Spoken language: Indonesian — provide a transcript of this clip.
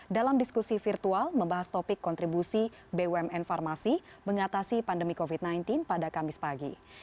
dalam diskusi virtual membahas topik kontribusi bumn farmasi mengatasi pandemi covid sembilan belas pada kamis pagi